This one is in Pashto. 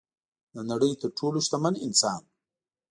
د نړۍ تر ټولو شتمن انسان